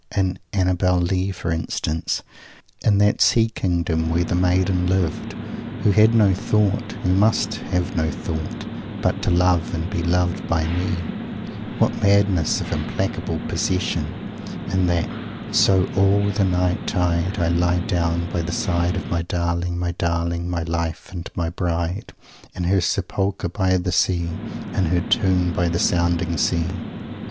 In "Annabel Lee," for instance, in that sea kingdom where the maiden lived who had no thought who must have no thought "but to love and be loved by me" what madness of implacable possession, in that "so all the night tide I lie down by the side of my darling, my darling, my life and my bride, in her sepulchre there by the sea, in her tomb by the sounding sea!"